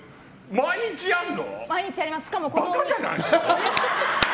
毎日やるの？